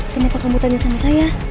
kenapa kamu tanya sama saya